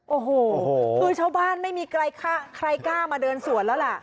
โอ้โหคือชาวบ้านไม่มีใครกล้ามาเดินสวนแล้วล่ะ